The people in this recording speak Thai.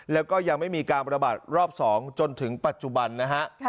แล้วก็ยังไม่มีการประบาดรอบ๒จนถึงปัจจุบันนะฮะ